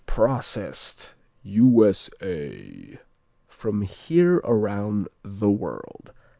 Processed U.S.A. From here around the world.